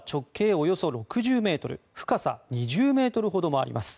およそ６０ｍ深さ２０ｍほどもあります。